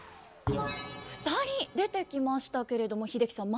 ２人出てきましたけれども英樹さん